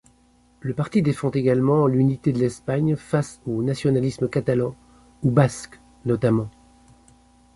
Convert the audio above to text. Le parti défend également l'unité de l'Espagne face aux nationalismes catalan ou basque notamment.